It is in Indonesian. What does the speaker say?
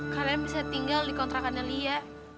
kalian bisa tinggal di kontrakannya lia